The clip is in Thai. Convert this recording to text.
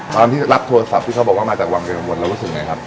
ตอนที่รับโทรศัพท์ที่เขาบอกว่ามาจากวังเวงกระมวลเรารู้สึกไงครับ